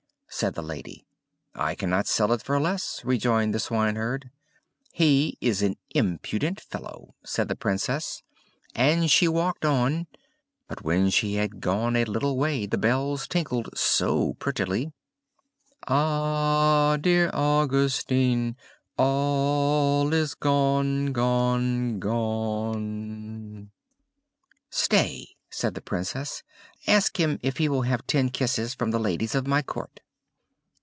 said the lady. "I cannot sell it for less," rejoined the swineherd. "He is an impudent fellow!" said the Princess, and she walked on; but when she had gone a little way, the bells tinkled so prettily "Ach! du lieber Augustin, Alles ist weg, weg, weg!" "Stay," said the Princess. "Ask him if he will have ten kisses from the ladies of my court."